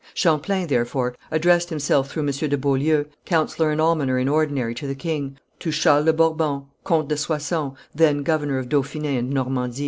Champlain, therefore, addressed himself through M. de Beaulieu, councillor and almoner in ordinary to the king, to Charles de Bourbon, Comte de Soissons, then governor of Dauphiné and Normandy.